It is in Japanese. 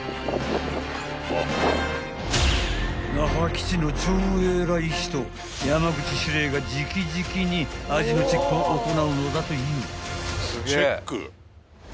［那覇基地の超偉い人山口司令が直々に味のチェックを行うのだという］